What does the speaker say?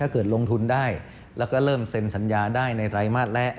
เกิดลงทุนได้แล้วก็เริ่มเซ็นสัญญาได้ในไรมาสละ